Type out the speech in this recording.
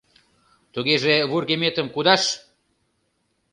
— Тугеже вургеметым кудаш!